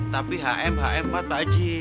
tapi hm hm at pak haji